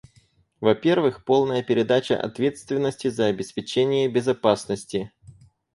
Во-первых, полная передача ответственности за обеспечение безопасности.